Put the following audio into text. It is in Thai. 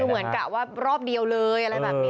เหมือนกับว่ารอบเดียวเลย